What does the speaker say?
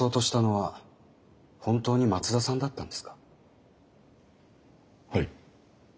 はい。